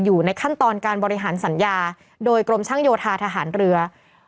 อยู่ในขั้นตอนการบริหารสัญญาโดยกรมช่างโยธาทหารเรือ